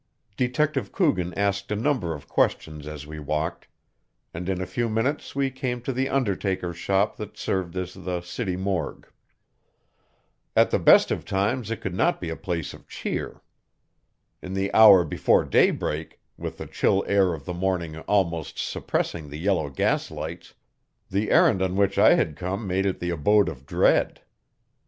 Detective Coogan asked a number of questions as we walked, and in a few minutes we came to the undertaker's shop that served as the city morgue. At the best of times it could not be a place of cheer. In the hour before daybreak, with the chill air of the morning almost suppressing the yellow gaslights, the errand on which I had come made it the abode of dread.